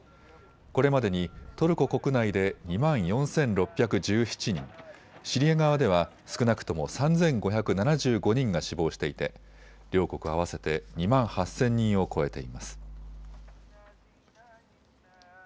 これまでにトルコ国内で２万４６１７人、シリア側では少なくとも３５７５人が死亡していて両国合わせて２万８０００人を超えています。